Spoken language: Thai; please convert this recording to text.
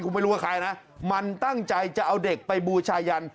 คุณไม่รู้ว่าใครนะมันตั้งใจจะเอาเด็กไปบูชายัน